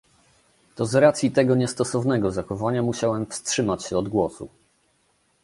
To z racji tego niestosowanego zachowania musiałem wstrzymać się do głosu